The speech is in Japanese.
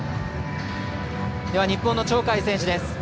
日本の鳥海選手です。